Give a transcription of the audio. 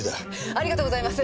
ありがとうございます！